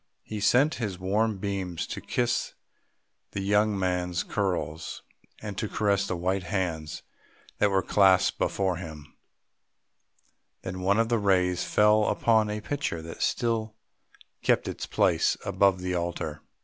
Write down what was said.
He sent his warm beams to kiss the young man's curls, and to caress the white hands that were clasped before him; then one of the rays fell upon a picture that still kept its place above the altar.